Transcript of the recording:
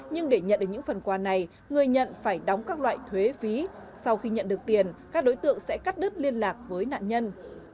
nhưng để nhận được những phần quà này người nhận phải đóng các loại thuế phí sau khi nhận được tiền các đối tượng sẽ cắt đứt liên lạc với nạn nhân